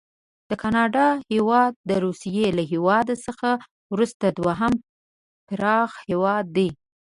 د کاناډا هیواد د روسي له هیواد څخه وروسته دوهم پراخ هیواد دی.